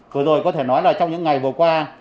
vừa rồi có thể nói là trong những ngày vừa qua